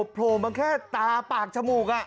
โผล่มาแค่ตาปากจมูก